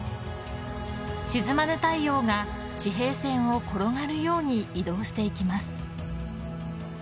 沈まぬ太陽が地平線を転がるように移動していきます。